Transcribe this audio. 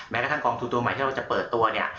แม้กระทั่งกองทุนตัวใหม่ที่เราจะเปิดตัวเนี่ย